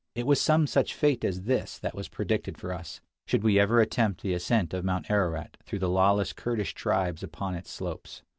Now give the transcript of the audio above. It was some such fate as this that was predicted for us, should we ever attempt the ascent of Mount Ararat through the lawless Kurdish tribes upon its slopes.